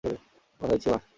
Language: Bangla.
কথা দিচ্ছি, মা।